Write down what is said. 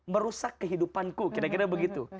merusak kehidupanku kira kira begitu